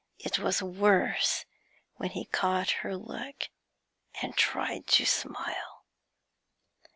It was worse when he caught her look and tried to smile.